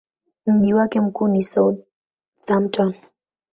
Mji wake mkuu ni Southampton.